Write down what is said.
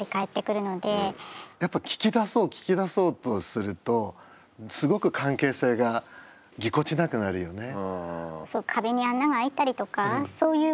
やっぱ聞き出そう聞き出そうとするとすごく関係性がぎこちなくなるよね。